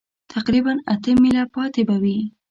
تقریباً اته مېله پاتې به وي.